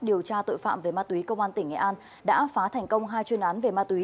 điều tra tội phạm về ma túy công an tỉnh nghệ an đã phá thành công hai chuyên án về ma túy